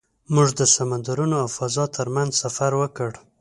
موږ د سمندرونو او فضا تر منځ سفر وکړ.